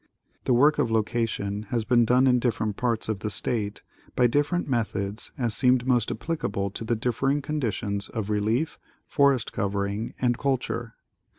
The work of location has been done in different parts of the state by different methods as seemed most applicable to the dif fering conditions of relief, forest covering and culture.